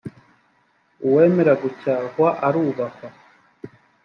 img uwemera gucyahwa arubahwa